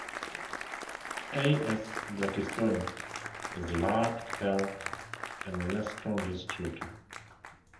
"A. s. blakistoni" is large, pale and less strongly streaked.